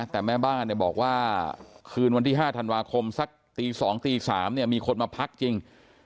แต่แม่บ้านบอกว่าคืนวันที่๕ธันวาคมสักตี๒ตี๓มีคนมาพักจริง